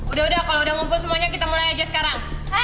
udah udah kalau udah ngumpul semuanya kita mulai aja sekarang